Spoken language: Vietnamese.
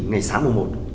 ngày sáng mùa một